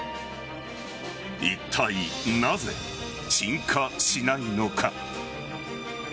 いったいなぜ、鎮火しないのか。